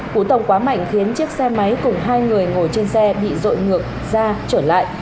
cú tông quá mạnh khiến chiếc xe máy cùng hai người ngồi trên xe bị rội ngược ra trở lại